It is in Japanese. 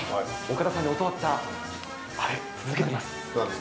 岡田さんに教わったあれ、続けてます。